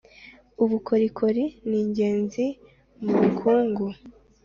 ubukorikori ningenzi mubukungu